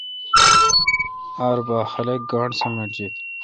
ار بھا خلق گاݨڈ سمٹ جیت۔